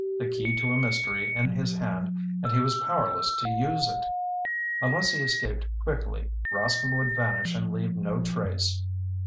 The key to a mystery in his hand and he was powerless to use it! Unless he escaped quickly, Rascomb would vanish and leave no trace.